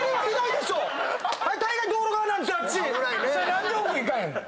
何で奥行かへんねん？